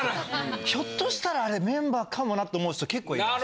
ひょっとしたらあれメンバーかもなって思う人結構います！